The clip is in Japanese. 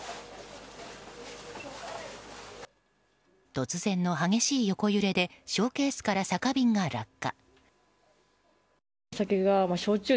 突然の激しい横揺れでショーケースから酒瓶が落下。